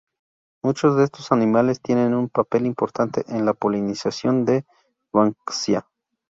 Muchos de estos animales tienen un papel importante en la polinización de "Banksia".